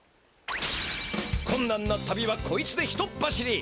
こんなんな旅はこいつでひとっ走り！